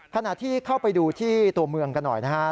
ขณะที่เข้าไปดูที่ตัวเมืองกันหน่อยนะครับ